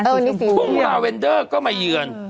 สูงทุ่มคุณแม่นาวเวนเดอร์ก็ไม่ยื่น